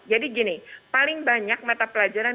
jadi gini paling banyak mata pelajaran